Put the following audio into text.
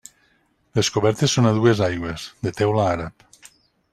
Les cobertes són a dues aigües, de teula àrab.